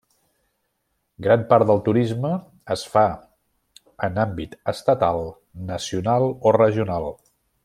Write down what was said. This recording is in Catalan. Gran part del turisme es fa en àmbit estatal, nacional, o regional.